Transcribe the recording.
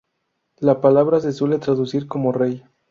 La palabra se suele traducir como "rey".